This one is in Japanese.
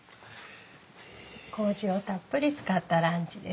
こうじをたっぷり使ったランチです。